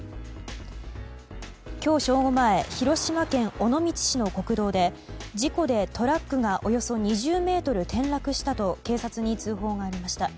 今日正午前広島県尾道市の国道で事故でトラックがおよそ２０ｍ転落したと警察に通報がありました。